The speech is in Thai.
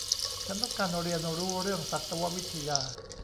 ฉันต้องการเรียนรู้เรื่องสัตววิทยา